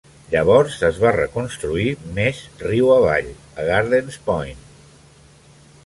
Llavors es va reconstruir més riu avall a Gardens Point.